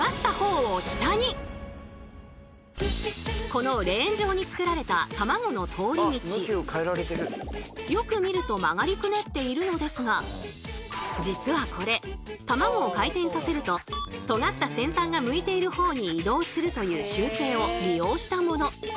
このレーン上に作られたたまごの通り道よく見ると曲がりくねっているのですが実はこれたまごを回転させるととがった先端が向いているほうに移動するという習性を利用したもの。